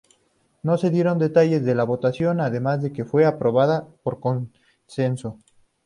No se dieron detalles de la votación además de que fue aprobada por consenso.